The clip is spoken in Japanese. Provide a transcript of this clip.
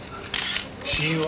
死因は？